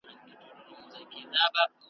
څوک چي چړیانو ملایانو ته جامې ورکوي `